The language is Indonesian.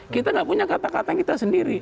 kita gak punya kata kata kita sendiri